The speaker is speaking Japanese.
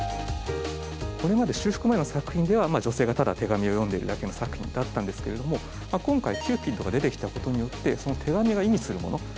これまで修復前の作品では女性がただ手紙を読んでいるだけの作品だったんですけれども今回、キューピッドが出てきたことによってその手紙が意味するもの